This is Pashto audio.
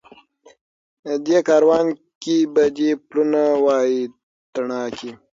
دې کاروان کي به دي پلونه وای تڼاکي